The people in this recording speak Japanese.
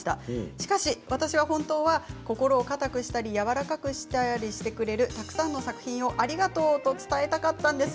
しかし私は本当は心かたくしたりやわらかくしたりしてくれるたくさん作品をありがとうと伝えたかったんです。